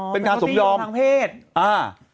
เป็นการสมยอมเป็นข้อตี้ของทางเพศ